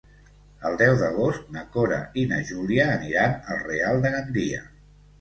El deu d'agost na Cora i na Júlia aniran al Real de Gandia.